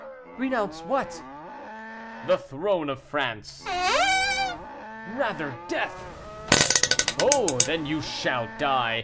"Renounce what?" "The throne of France." "Rather death!" "Oh! then you shall die!